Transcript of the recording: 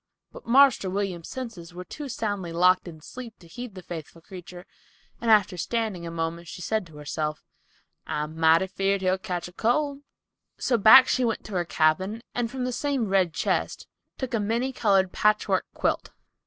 But "Marster William's" senses were too soundly locked in sleep to heed the faithful creature, and after standing still a moment, she said to herself, "I'm mighty feared he'll cotch cold." So back she went to her cabin and from the same "red chist" took a many colored patchwork quilt.